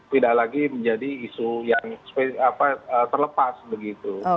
tidak lagi menjadi isu yang terlepas begitu